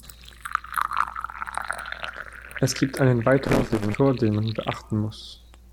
Es gibt einen weiteren Faktor, den man beachten muss.